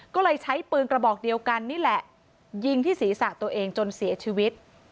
ก็เลยใช้ปืนกระบอกเดียวกันนี่แหละยิงที่ศีรษะตัวเองจนเสียชีวิต